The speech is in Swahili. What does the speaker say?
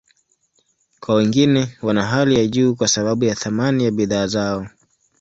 Kwa wengine, wana hali ya juu kwa sababu ya thamani ya bidhaa zao.